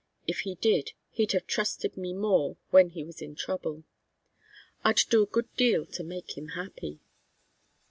If he did, he'd have trusted me more when he was in trouble. I'd do a good deal to make him happy."